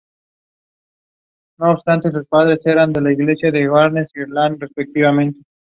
The album consisted of ten tracks.